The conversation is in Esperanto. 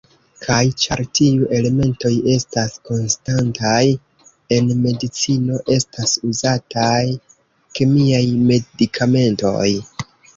Kaj, ĉar tiu elementoj estas konstantaj, en medicino estas uzataj kemiaj medikamentoj.